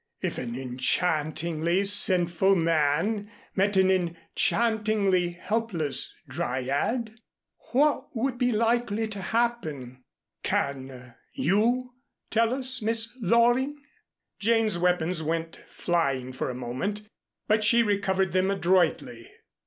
If an enchantingly sinful man met an enchantingly helpless Dryad what would be likely to happen? Can you tell us, Miss Loring?" Jane's weapons went flying for a moment, but she recovered them adroitly.